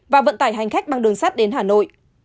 và vận tải hành khách bằng đường sắt đến hà nội